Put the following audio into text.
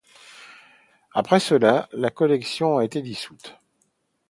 Après cela, la collection a été dissoute.